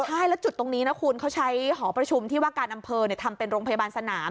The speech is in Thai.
ใช่แล้วจุดตรงนี้นะคุณเขาใช้หอประชุมที่ว่าการอำเภอทำเป็นโรงพยาบาลสนาม